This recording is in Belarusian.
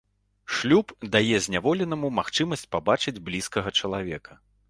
Шлюб дае зняволенаму магчымасць пабачыць блізкага чалавека.